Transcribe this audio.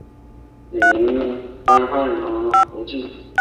女林丹汗囊囊福晋。